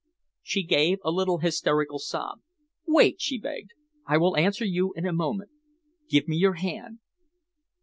She gave a little hysterical sob. "Wait," she begged. "I will answer you in a moment. Give me your hand."